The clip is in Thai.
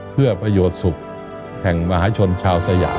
เพื่อประโยชน์สุขแห่งมหาชนชาวสยาม